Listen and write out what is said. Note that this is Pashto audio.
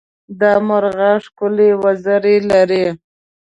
دا مرغه ښکلې وزرې لري.